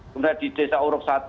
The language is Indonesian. kemudian di desa uruk satu